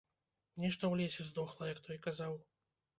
Нешта ў лесе здохла, як той казаў.